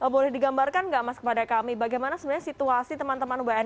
boleh digambarkan nggak mas kepada kami bagaimana sebenarnya situasi teman teman wni